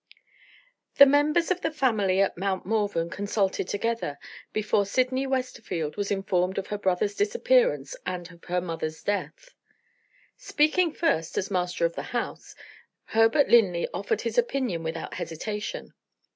The members of the family at Mount Morven consulted together, before Sydney Westerfield was informed of her brother's disappearance and of her mother's death. Speaking first, as master of the house, Herbert Linley offered his opinion without hesitation.